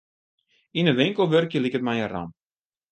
Yn in winkel wurkje liket my in ramp.